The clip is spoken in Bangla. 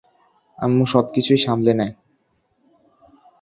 আম্মু সবকিছুই সামলে নেয়।